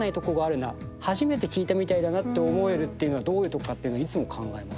初めて聴いたみたいだなって思えるっていうのはどういうとこかっていうのいつも考えますね。